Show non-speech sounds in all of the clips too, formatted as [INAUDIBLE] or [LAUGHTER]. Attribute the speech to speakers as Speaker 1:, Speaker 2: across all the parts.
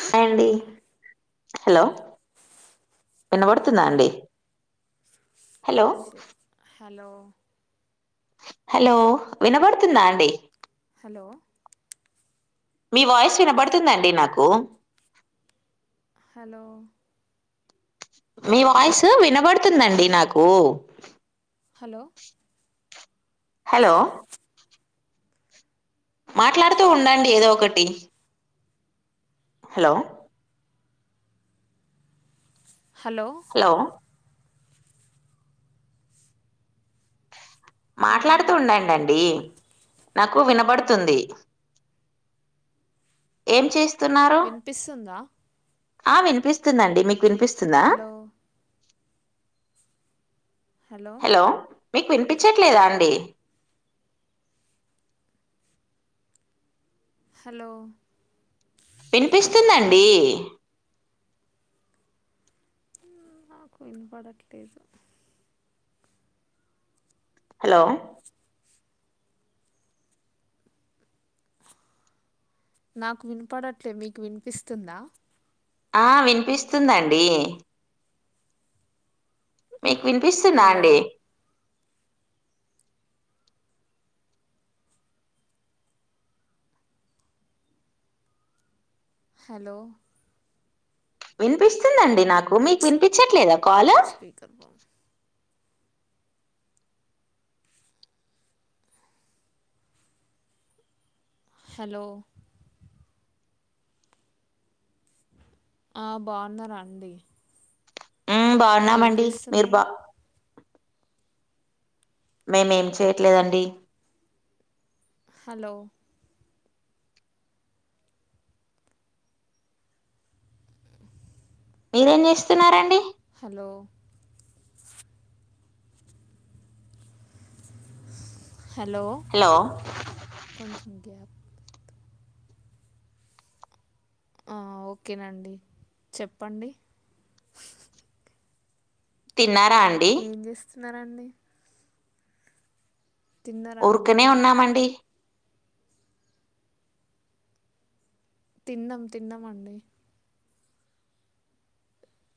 Speaker 1: Hi అండి
Speaker 2: hello
Speaker 1: hello వినబడుతుందా
Speaker 2: hello
Speaker 1: అండి హలో
Speaker 2: హలో
Speaker 1: హలో వినబడుతుందా అండి
Speaker 2: హలో
Speaker 1: మీ వాయిస్ వినబడుతుందాండి నాకు
Speaker 2: హలో
Speaker 1: మీ వాయిస్ వినబడుతుందండి నాకు
Speaker 2: హలో
Speaker 1: హలో
Speaker 2: వాయిస్
Speaker 1: మాట్లాడుతూ ఉండండి ఏదో
Speaker 2: వినపడట్లేదు
Speaker 1: ఒకటి హలో
Speaker 2: హలో
Speaker 1: హలో
Speaker 2: హలో
Speaker 1: మాట్లాడుతూ ఉండండండి నాకు వినబడుతుంది ఏం చేస్తున్నారు
Speaker 2: వినిపిస్తుందా
Speaker 1: ఆ వినిపిస్తుందండి మీకు వినిపిస్
Speaker 2: హలో
Speaker 1: హలో మీకు వినిపించట్లేదా అండి
Speaker 2: హలో
Speaker 1: వినిపిస్తుందండి
Speaker 2: నాకు వినపడట్లేదు
Speaker 1: హలో
Speaker 2: నాకు వినిపడట్లే మీకు వినిపిస్తుందా
Speaker 1: ఆ వినిపిస్తుందండి మీకు వినిపిస్తుందా
Speaker 2: హలో
Speaker 1: అండి
Speaker 2: హలో
Speaker 1: వినిపిస్తుందండి నాకు మీకు వినిపించట్లేదా కాల్
Speaker 2: స్పీకర్ బా హలో ఆ బాగున్నారా అండి
Speaker 1: మ్
Speaker 2: ఏం
Speaker 1: బాగున్నామండి మీరు
Speaker 2: చేస్తున్నారు
Speaker 1: బాగ్ మేము ఏం చేయట్లేదండి
Speaker 2: హలో
Speaker 1: మీరేం చేస్తున్నారండి
Speaker 2: హలో హలో
Speaker 1: హలో
Speaker 2: కొంచెం గ్యాప్ ఆ ఓకేనండి చెప్పండి
Speaker 1: తిన్నా
Speaker 2: ఏం చేస్తున్నారండి తిన్నారా అండి
Speaker 1: ఊరికనే ఉన్నామండి
Speaker 2: తిన్నాం తిన్నామండి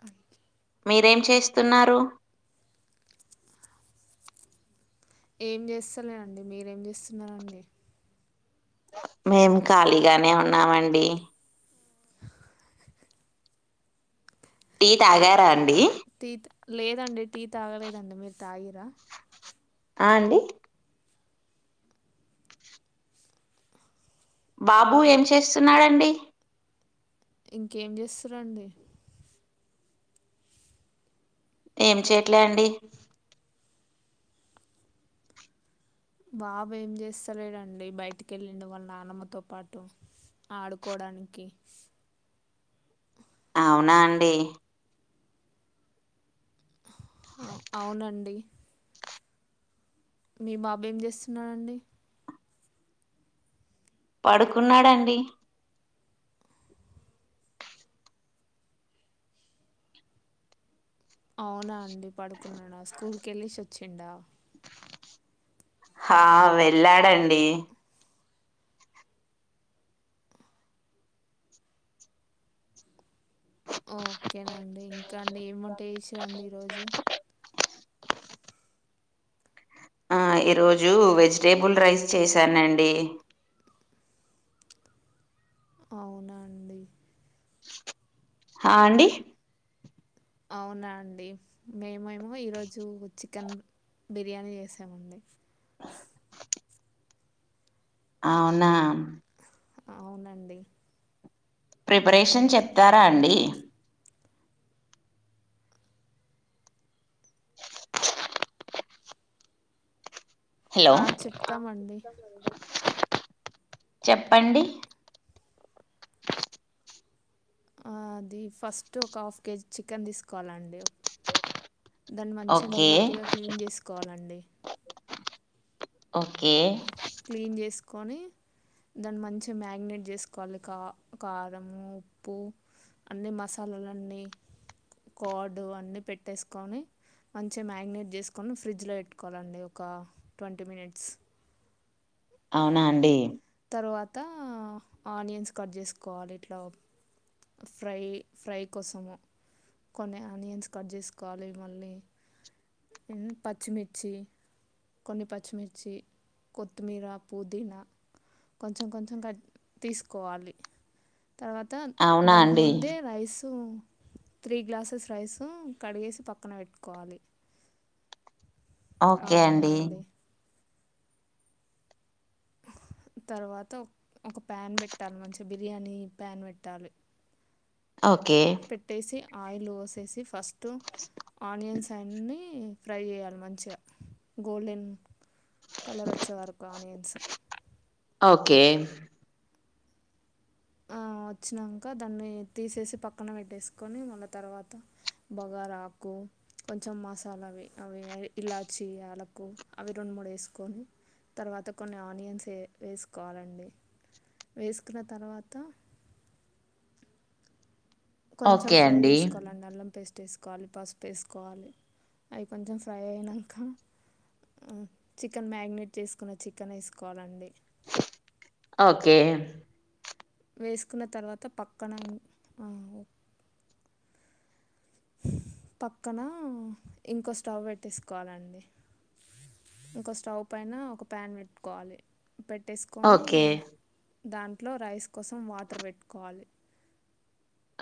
Speaker 2: అయ్,
Speaker 1: మీరేం చేస్తున్నారు
Speaker 2: ఏం చేస్తలేేనండి మీరేం చేస్తున్నారండి
Speaker 1: మేం ఖాళీగానే ఉన్నామండి టీ తాగారా అండి
Speaker 2: టీ లేదండి టీ తాగలేదండి మీరు తాగిరా
Speaker 1: ఆ అండి బాబు ఏం చేస్తున్నారు అండి
Speaker 2: ఇంకేం చేస్తారండి
Speaker 1: ఏం చేయట్లే అండి
Speaker 2: బాబు ఏం చేస్తలేడండి బయటికి వెళ్ళిండు వాళ్ళ నాన్నమ్మతో పాటు ఆడుకోడానికి
Speaker 1: అవునా అండి
Speaker 2: అవునండి మీ బాబు ఏం చేస్తున్నాడండి
Speaker 1: పడుకున్నాడండి
Speaker 2: అవునా అండి పడుకున్నాడా స్కూల్కి వెళ్ళిసి వచ్చిండా
Speaker 1: ఆ వెళ్ళాడండి
Speaker 2: ఓక్కేనండి ఇంకా అండి ఏమి వంట చేసారండి ఈరోజు
Speaker 1: ఆ ఈరోజు వెజిటేబుల్ రైస్ చేశానండి
Speaker 2: అవునా అండి
Speaker 1: ఆ అండి
Speaker 2: అవునా అండి మేమేమో ఈరోజు చికెన్ బిర్యానీ చేసామండి
Speaker 1: [INAUDIBLE] అవునా
Speaker 2: అవునండి
Speaker 1: ప్రిపరేషన్ చెప్తారా అండి [INAUDIBLE] హలో
Speaker 2: ఆ చెప్తామండి
Speaker 1: చెప్పండి
Speaker 2: ఆ అది ఫస్ట్ ఒక హాఫ్ కేజీ చికెన్ తీసుకోవాలండి దాన్ని మంచి
Speaker 1: ఓకే
Speaker 2: నీట్గా క్లీన్ చేసుకోవాలండి
Speaker 1: ఓకే
Speaker 2: క్లీన్ చేసుకొని దాన్ని మంచిగా మేగినేట్ చేసుకోవాలి కా కారమూ ఉప్పు అన్ని మసాలాలన్నీ కాడ్డు అన్ని పెట్టేసుకొని మంచిగా మేగినేట్ చేసుకొని ఫ్రిడ్జ్లో పెట్టుకోవాలండి ఒక ట్వంటీ మినిట్స్ అ
Speaker 1: అవునా అండి
Speaker 2: తరువాత ఆనియన్స్ కట్ చేసుకోవాలి ఇట్లా ఫ్రై ఫ్రై కోసము కొన్ని ఆనియన్స్ కట్ చేసుకోవాలి మళ్ళీ పచ్చిమిర్చి కొన్ని పచ్చిమిర్చి కొత్తిమీర పుదీనా కొంచెం కొంచెం కట్ తీసుకోవాలి తర్వాత
Speaker 1: అవునా
Speaker 2: దానికి
Speaker 1: అండి
Speaker 2: ముందే రైసు త్రీ గ్లాసెస్ రైసు కడిగేసి పక్కన ఎట్టుకోవాలి
Speaker 1: ఓకే అండి
Speaker 2: అవునండి తర్వాత ఒ ఒక ప్యాన్ పెట్టాలి మంచి బిర్యానీ ప్యాన్ పెట్టాలి
Speaker 1: ఓకే
Speaker 2: పెట్టేసి ఆయిల్ పోసేసి ఫస్ట్ ఆనియన్స్ అయన్నీ ఫ్రై చేయాలి మంచిగా గోల్డెన్ కలర్ వచ్చే వరకు ఆనియన్స్
Speaker 1: ఓకే
Speaker 2: వచ్చినాక దాన్ని తీసేసి పక్కన పెట్టేసుకొని మళ్ళ తర్వాత బగారాకు కొంచెం మసాలా అవి అవి ఇలాచి ఆలకు అవి రెండు మూడు వేసుకొని తర్వాత కొన్ని ఆనియన్స్ ఏ వేసుకోవాలండి వేసుకున్న తర్వాత కొంచెం
Speaker 1: ఓకే
Speaker 2: ఫ్రై
Speaker 1: అండి
Speaker 2: చేసుకోవాలండి అల్లం పేస్ ట్టేసుకోవాలి పసుపు వేసుకోవాలి అవి కొంచెం ఫ్రై అయినంక మ్ చికెన్ మ్యారినేట్ చేసుకున్న చికెనేసుకోవాలండి
Speaker 1: ఓకే
Speaker 2: వేసుకున్న తర్వాత పక్కన ఇ ఆ ఓ పక్కన ఇంకో స్టవ్ పెట్టేసుకోవాలండి ఇంకో స్టవ్ పైన ఒక పన్ పెట్టుకోవాలి పెట్టేస్ కోని
Speaker 1: ఓకే
Speaker 2: దాంట్లో రైస్ కోసం వాటర్ పెట్టుకోవాలి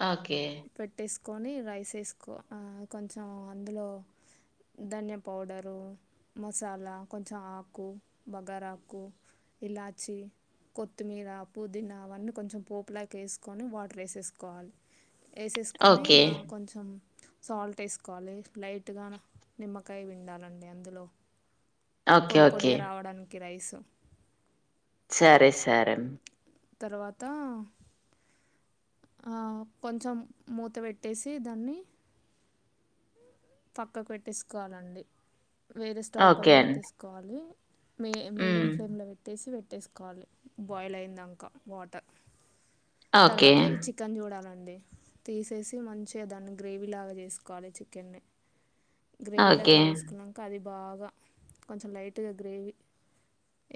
Speaker 1: ఓకే
Speaker 2: పెట్టేసుకొని రైసేసుకో ఆ కొంచెం అందులో ధన్యాయ పౌడరు మసాలా కొంచెం ఆకు బగారాకు ఇలాచి కొత్తిమీర పుదీనా అవన్నీ కొంచెం పోపులాగేసుకొని వాటరేసేసుకోవాలి ఏసేసుకొని
Speaker 1: ఓకే
Speaker 2: నా కొంచెం సాల్ట్ వేసుకోవాలి లైట్గానా నిమ్మకాయ విండాలండి అందులో
Speaker 1: ఓకే
Speaker 2: పొడి
Speaker 1: ఓకే
Speaker 2: పొడిగా రావడానికి రైసు
Speaker 1: సరే సరే
Speaker 2: తర్వాత ఆ కొంచెం మూత పెట్టేసి దాన్ని పక్కకు పెట్టేసుకోవాలండి వేరే స్టవ్ పైన
Speaker 1: ఓకే అండి
Speaker 2: పెట్టేసుకోవాలి మీ మీడియం
Speaker 1: మ్మ్
Speaker 2: ఫ్లేమ్ లో పెట్టేసి పెట్టేస్ కోవాలి బాయల్ అయినంక వాటర్
Speaker 1: ఓకే
Speaker 2: తరువాత ఈ చి కెన్ చూడాలండి తీసేసి మంచ్ చిగ దాన్ని గ్రేవీ లాగా చేసుకోవాలి చికెన్ని గ్రేవీ
Speaker 1: ఓకే
Speaker 2: లాగా చేసుకున్నా కాది బాగా కొంచెం లైట్గా గ్రేవీ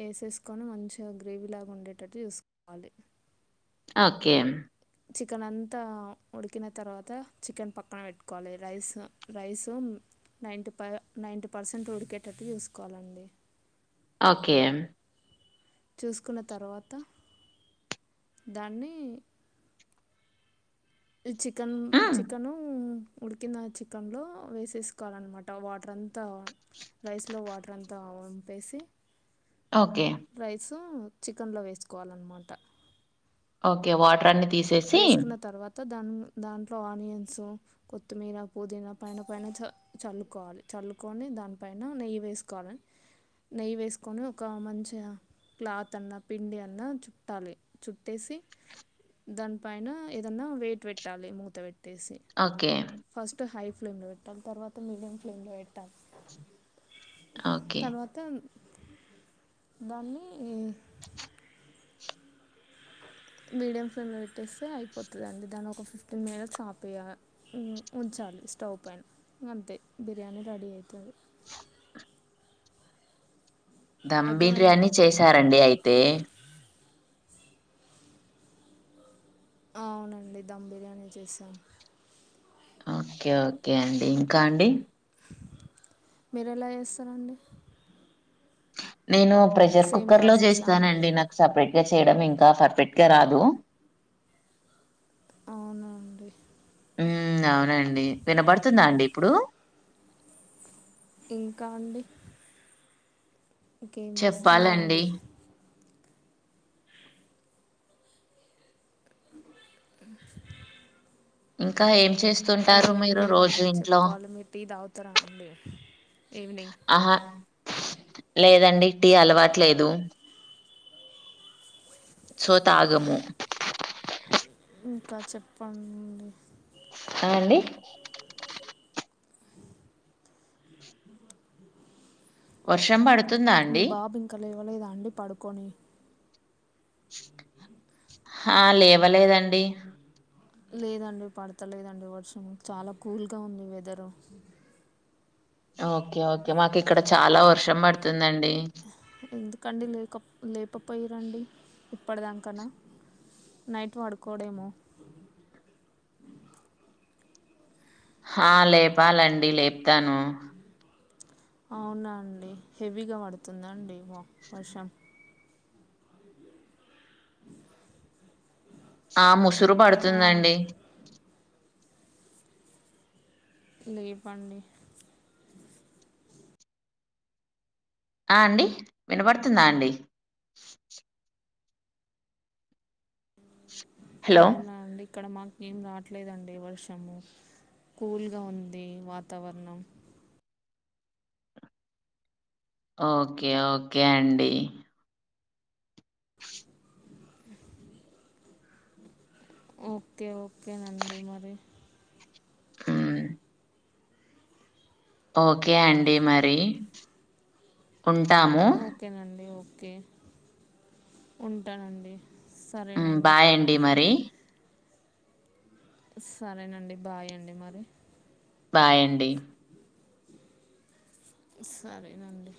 Speaker 2: ఏసేసుకొని మంచిగా గ్రేవీ లాగా ఉండేటట్టు చూసుకోవాలి
Speaker 1: ఓకే
Speaker 2: చికెన్ అంతా ఉడికిన తర్వాత చికెన్ పక్కన పెట్టుకోవాలి రైస్ రైసు నైన్టీ ప నైంటీ పర్సెంట్ ఉడికేటట్టు చూసుకోవాలండి
Speaker 1: ఓకే
Speaker 2: చూసుకున్న తర్వాత దాన్ని ఈ చికెన్
Speaker 1: మ్మ్
Speaker 2: చికెను ఉడికిన చికెన్లో వేసేసుకోవాలన్నమాట వాటర్ అంతా రైస్లో వాటర్ అంతా వంపేసి
Speaker 1: ఓకే
Speaker 2: రైసు చికెన్లో వేసుకోవాలన్నమాట
Speaker 1: ఓకే వాటర్ అన్ని తీసేసి
Speaker 2: వేసుకున్న తర్వాత దాని దాంట్లో ఆనియన్సు కొత్తిమీర పుదీనా పైన పైన చ చల్లుకోవాలి చల్లుకొని దానిపైన నెయ్యి వేసుకోవాలని నెయ్యి వేసుకొని ఒక మంచిగా క్లాత్ అన్నా పిండి అన్నా చుట్టాలి చుట్టేసి దానిపైన ఏదన్నా వెయిట్ పెట్టాలి మూత పెట్టేసి
Speaker 1: ఓకే
Speaker 2: ఫస్ట్ హై ఫ్లేమ్లో పెట్టాలి తర్వాత మీడియం ఫ్లేమ్లో పెట్టాలి
Speaker 1: ఓకే
Speaker 2: తర్వాత దాన్ని మీడియం ఫ్లేమ్ పెట్టేస్తే అయిపోతుందిండి దాన్ని ఒక ఫిఫ్టీన్ మినిట్స్ ఆపేయాలి ఉంచాలి స్టవ్ పైన అంతే బిర్యానీ రెడీ అవుతుంది.
Speaker 1: ధమ్
Speaker 2: అర్థమైందా
Speaker 1: బిర్యానీ
Speaker 2: అండి
Speaker 1: చేసారండి అయితే
Speaker 2: అవునండి ధమ్ బిర్యానీ చేశాను.
Speaker 1: ఓకే ఓకే అండి ఇంకా అండి
Speaker 2: మీరు ఎలా చేస్తారంండి
Speaker 1: నేను ప్రెషర్
Speaker 2: సేమ్
Speaker 1: కుక్కర్ లో
Speaker 2: ప్రాసెస్సా అండి
Speaker 1: చేస్తానండి, నాకు సపరేట్ గా చేయడం ఇంకా పర్పరెట్ గా రాదు.
Speaker 2: అవునండి
Speaker 1: ఉ అవునండి వినబడుతుందా అండి ఇప్పుడు
Speaker 2: ఇంకా అండి ఇకేం
Speaker 1: చెప్పాలండి
Speaker 2: చేస్తున్నారండి
Speaker 1: ఇంకా ఏం చేస్త
Speaker 2: ఏం లేదండి చెప్పాలి మీరు టీ తాగుతారా అండి ఈవినింగ్
Speaker 1: ఆహా లేదండి టీ అలవాటు లేదు సో తాగము
Speaker 2: ఇంకా చెప్పండి
Speaker 1: అ అండి వర్షం పడు
Speaker 2: మీ బాబు ఇంకా లేవలేదా అండి పడుకొని
Speaker 1: ఆ లేవలేదండి
Speaker 2: లేదండి పడతలేదండి వర్షం చాలా కూల్గా ఉంది వెదరు
Speaker 1: ఓకే ఓకే మాకు ఇక్కడ చాలా వర్షం పడుతుందండి.
Speaker 2: ఎందుకండి లేక లేకపోయి రండి ఇప్పటిదాకనా నైట్ పొడుకోడేమో
Speaker 1: ఆ లేపాలండి లేపుతాను
Speaker 2: అవునా అండి హెవీగా పడుతుందండి వర్షం
Speaker 1: ఆ ముసురు
Speaker 2: ఆ,
Speaker 1: పడుతుందండి
Speaker 2: లేపండి
Speaker 1: ఆ అండి వినపడుతుందా అండి హలో
Speaker 2: అవునండి ఇక్కడ మాకు ఏం రావట్లేదండి వర్షము కూల్గా ఉంది వాతావరణం
Speaker 1: ఓకే ఓకే అండి
Speaker 2: ఓకే ఓకేనండి మరి.
Speaker 1: మ్ ఓకే అండి మరి ఉంటాము.
Speaker 2: ఓకేనండి ఓకే ఉంటానండి. సరేనండి
Speaker 1: బాయండి మరి.
Speaker 2: సరేనండి బాయ్ అండి మరి.
Speaker 1: బాయ్ అండి.
Speaker 2: సరేనండి.